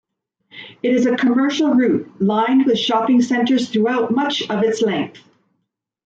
It is a commercial route lined with shopping centers throughout much of its length.